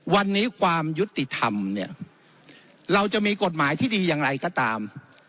วันนี้ความยุติธรรมเนี่ยเราจะมีกฎหมายที่ดีอย่างไรก็ตาม